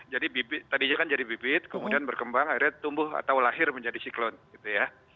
jadi bibit tadinya kan jadi bibit kemudian berkembang akhirnya tumbuh atau lahir menjadi siklon gitu ya